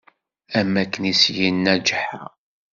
Am akken i s-yenna ğeḥḥa.